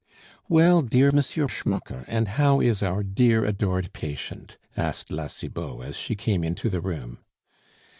"Well, dear M. Schmucke, and how is our dear, adored patient?" asked La Cibot, as she came into the room.